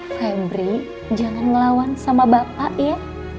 febri jangan ngelawan sama bapak ya